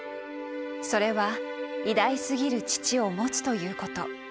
それは偉大すぎる父を持つということ。